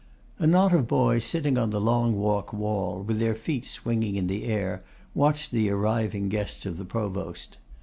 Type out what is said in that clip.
A knot of boys, sitting on the Long Walk wall, with their feet swinging in the air, watched the arriving guests of the Provost.